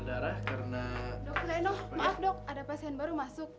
dok leno maaf dok ada pasien baru masuk